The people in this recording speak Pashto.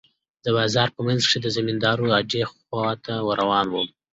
د بازار په منځ کښې د زمينداورو اډې خوا ته روان وم.